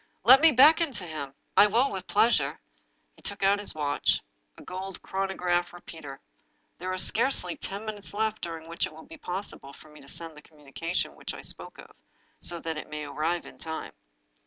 " Let me beckon to him — I will with pleas ure." He took out his watch — a gold chronograph repeater. " There are scarcely ten minutes left during which it will be possible for me to send the communication which I spoke of, so that it may arrive in time.